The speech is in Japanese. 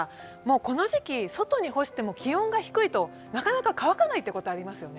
この時期、外に干しても気温が低いとなかなか乾かないことありますよね。